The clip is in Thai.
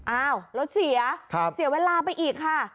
อ้าวรถเสียเสียเวลาไปอีกค่ะ